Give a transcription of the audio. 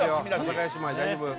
阿佐ヶ谷姉妹大丈夫？